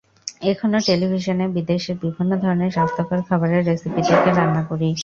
এখনো টেলিভিশনে বিদেশের বিভিন্ন ধরনের স্বাস্থ্যকর খাবারের রেসিপি দেখে রান্না করি।